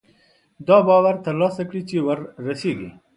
دا باور ترلاسه کړي چې وررسېږي.